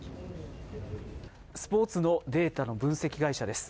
スポーツのデータの分析会社です。